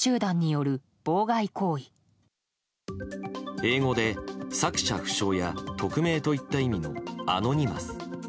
英語で作者不詳や匿名といった意味のアノニマス。